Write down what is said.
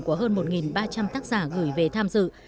của hơn một ba trăm linh tác giả gửi về tham dự